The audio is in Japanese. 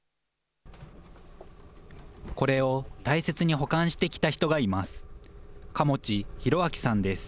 これを大切に保管してきた人がいます。